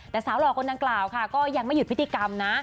แต่สาวหล่อคนดังกล่าวค่ะก็ยังไม่หยุดพฤติกรรมนะ